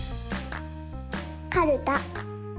かるた。